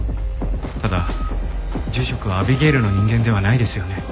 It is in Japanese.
ただ住職はアビゲイルの人間ではないですよね。